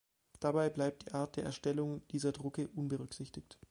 Dabei bleibt die Art der Erstellung dieser Drucke unberücksichtigt.